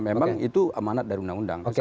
memang itu amanat dari undang undang